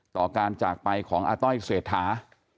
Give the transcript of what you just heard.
ต่อการจากไปของอาต้อยเศรษฐา